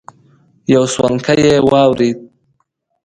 يو سونګی يې واورېد.